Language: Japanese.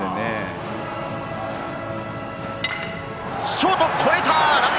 ショートを越えた！